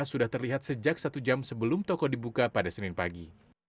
sudah terlihat sejak satu jam sebelum toko dibuka pada senin pagi